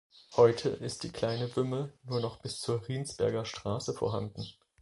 Heute ist die kleine Wümme nur noch bis zur Riensberger Straße vorhanden.